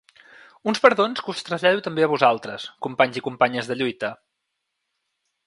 Uns perdons que us trasllado també a tots vosaltres, companys i companyes de lluita.